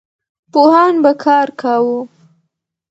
پوهان به کار کاوه.